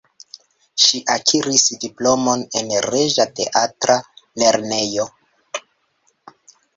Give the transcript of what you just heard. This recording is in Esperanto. Ŝi akiris diplomon en Reĝa Teatra Lernejo.